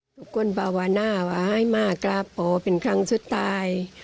ทุกคนประวัตินาว่าให้มากราบพ่อเป็นครั้งสุดท้าย